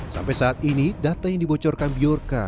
sampai saat ini data yang dibocorkan bjorka